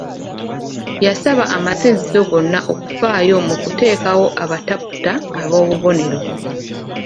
Yasaba amasinzizo gonna okufaayo mu kuteekawo abataputa ab'obubonero.